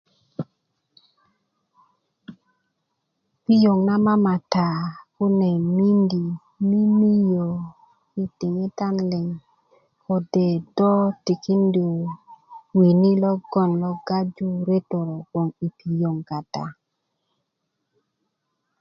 piyoŋ na mamata kune miindi mimiiyö yi diŋitan liŋ kode' do tikindu wini logon lo gaju reto lo gboŋ yi piyoŋ kata